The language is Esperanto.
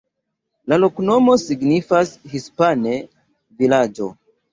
La loknomo signifas hispane: vilaĝo.